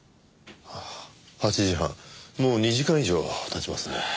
８時半もう２時間以上経ちますね。